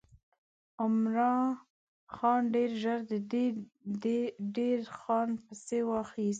عمرا خان ډېر ژر د دیر خان پسې واخیست.